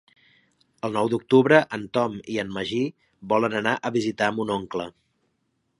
El nou d'octubre en Tom i en Magí volen anar a visitar mon oncle.